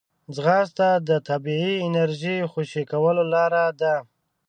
ځغاسته د طبیعي انرژۍ خوشې کولو لاره ده